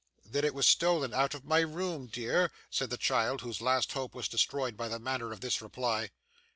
'Then it was stolen out of my room, dear,' said the child, whose last hope was destroyed by the manner of this reply.